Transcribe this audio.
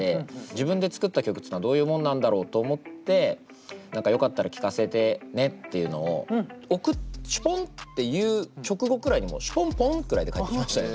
自分で作った曲っつうのはどういうもんなんだろうと思って「よかったら聞かせてね」っていうのをシュポンっていう直後くらいにもうシュポンポンくらいで返ってきましたね。